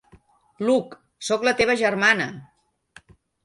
Luke, soc la teva germana!